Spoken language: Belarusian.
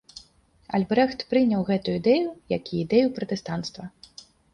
Альбрэхт прыняў гэту ідэю, як і ідэю пратэстанцтва.